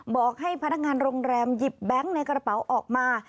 บอกให้พนักงานโรงแรมหยิบแบงค์ในกระเป๋าออกมา